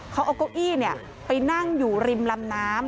เขาเอาเก้าอี้ไปนั่งอยู่ริมลำน้ำ